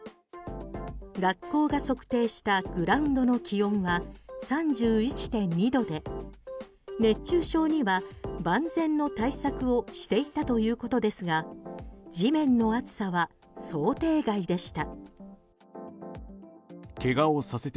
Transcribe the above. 学校が測定したグラウンドの気温は３１．２度で熱中症には万全の対策をしていたということですが地面の熱さは想定外でした。